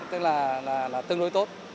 tức là tương đối tốt